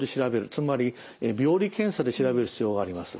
つまり病理検査で調べる必要があります。